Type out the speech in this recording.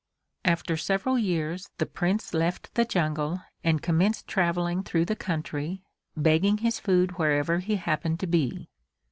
After several years the Prince left the jungle and commenced traveling through the country, begging his food wherever he happened to be.